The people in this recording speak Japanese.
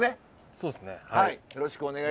そうですねはい。